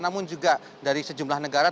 namun juga dari sejumlah negara